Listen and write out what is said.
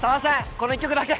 この１曲だけ